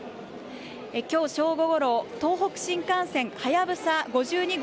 今日正午ごろ東北新幹線「はやぶさ５２号」